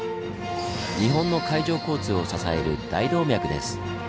日本の海上交通を支える大動脈です。